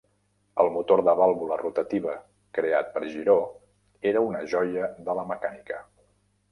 El motor de vàlvula rotativa creat per Giró era una joia de la mecànica.